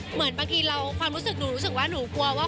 เหมือนบางทีเราความรู้สึกหนูรู้สึกว่าหนูกลัวว่า